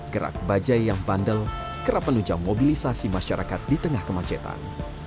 gerak bajai yang bandel kerap menunjang mobilisasi masyarakat di tengah kemacetan